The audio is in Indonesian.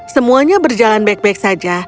semuanya berjalan baik baik saja